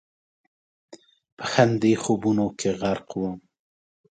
په همدې خوبونو کې غرق ووم.